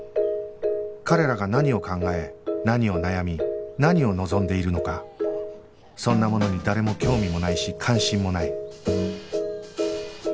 彼らが何を考え何を悩み何を望んでいるのかそんなものに誰も興味もないし関心もない